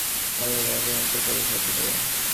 প্রত্যেক পথই অল্পবিস্তর উন্নতির পথে সাহায্য করে।